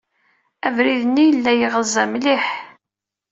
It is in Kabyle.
Abrid-nni yella yeɣza mliḥ.